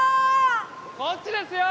こっちですよ